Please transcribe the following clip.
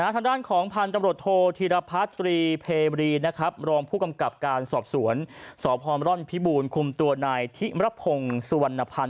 ทางด้านของพันธุ์กรรมรถโทษธีรพาตรีเพลรีรองค์ผู้กำกับการสอบสวนสอบพรรณร่อนพิบูรณ์คุมตัวนายทิมระพงสุวรรณภัณฑ์